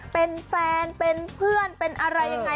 เป็นแฟนเป็นเพื่อนเป็นอะไรยังไง